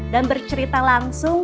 dan bercerita langsung